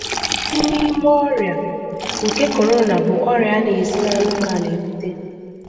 Ufodu n'ime ọrịa nje korona bụ ọrịa a na-esi n'anụmanụ ebute.